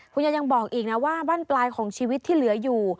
คุณยายยังบอกอีกนะว่าบ้านปลายของชีวิตที่เหลืออยู่